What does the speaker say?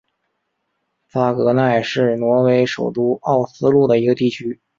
萨格奈是挪威首都奥斯陆的一个地区。